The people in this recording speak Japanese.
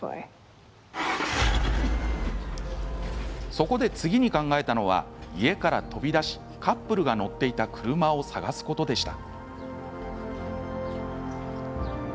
そこで、次に考えたのは家から飛び出しカップルが乗っていた車を捜すことでした。